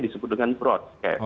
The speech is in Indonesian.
disebut dengan broadcast